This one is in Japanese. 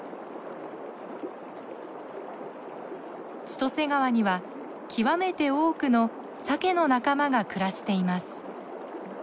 千歳川には極めて多くのサケの仲間が暮らしています。